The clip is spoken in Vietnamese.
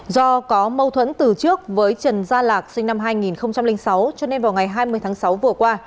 do có mâu thuẫn từ trước với trần gia lạc sinh năm hai nghìn sáu cho nên vào ngày hai mươi tháng sáu vừa qua